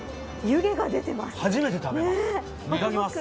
湯気が出てます。